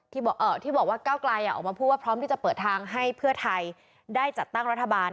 ที่บอกว่าก้าวไกลออกมาพูดว่าพร้อมที่จะเปิดทางให้เพื่อไทยได้จัดตั้งรัฐบาล